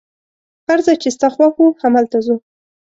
هر ځای چي ستا خوښ وو، همالته ځو.